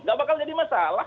nggak bakal jadi masalah